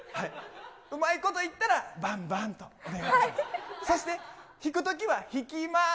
うまいこといったら、バンバン、お願いいたします。